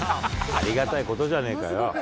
ありがたいことじゃねえかよ。